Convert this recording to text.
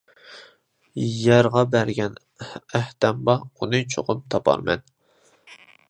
يارغا بەرگەن ئەھدەم بار، ئۇنى چوقۇم تاپارمەن.